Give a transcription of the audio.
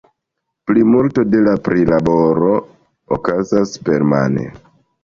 Plimulto de la prilaboro okazas permane.